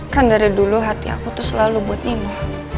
kan dari dulu hati aku tuh selalu buat ibu